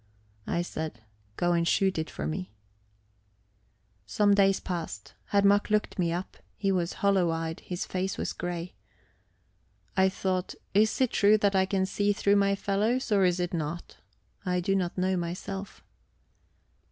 I said: "Go and shoot it for me." Some days passed. Herr Mack looked me up. He was hollow eyed; his face was grey. I thought: Is it true that I can see through my fellows, or is it not? I do not know, myself.